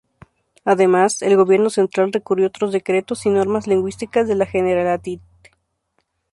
Además, el Gobierno central recurrió otros decretos y normas lingüísticas de la Generalitat.